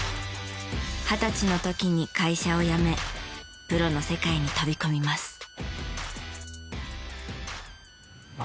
二十歳の時に会社を辞めプロの世界に飛び込みます。